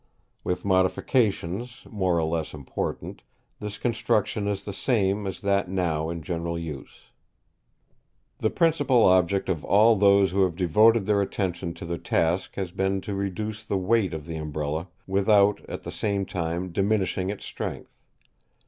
With modifications, more or less important, this construction is the same as that now in general use." The principal object of all those who have devoted their attention to the task has been to reduce the weight of the Umbrella without, at the same time, diminishing its strength.